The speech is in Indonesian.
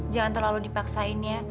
jangan terlalu dipaksainya